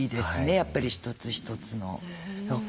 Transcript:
やっぱり一つ一つの。